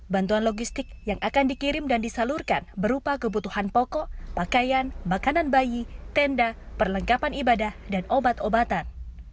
bantuan logistik yang akan dikirim dan disalurkan berupa kebutuhan pokok pakaian makanan bayi tenda perlengkapan ibadah dan obat obatan